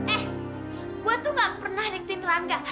eh gua tuh gak pernah niketin rangga